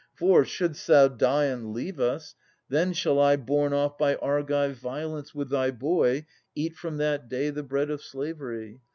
For, shouldst thou die and leave us, then shall I Borne off by Argive violence with thy boy Eat from that day the bread of slavery.